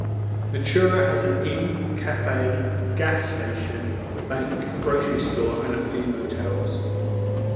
Naturita has an inn, cafe, gas station, bank, grocery store and a few motels.